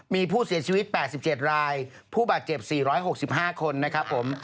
มีผู้เสียชีวิต๘๗รายผู้บาดเจ็บ๔๖๕คนนะครับผม